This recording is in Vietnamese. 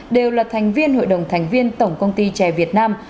đều là thành viên hội đồng thành viên tổng công ty trẻ việt nam